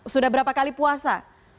sudah berapa kali puasa